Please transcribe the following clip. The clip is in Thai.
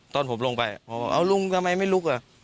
ตอนผมลงไปผมเอาลุงทำไมไม่ลุกอ่ะ